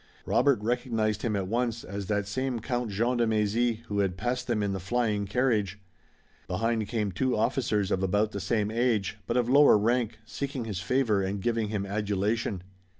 Robert recognized him at once as that same Count Jean de Mézy who had passed them in the flying carriage. Behind came two officers of about the same age, but of lower rank, seeking his favor and giving him adulation.